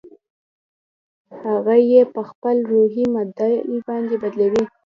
هغه يې په خپل روحي معادل باندې بدلوي.